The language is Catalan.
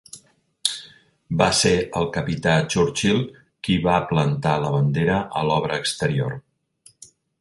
Va ser el capità Churchill qui va plantar la bandera a l'obra exterior.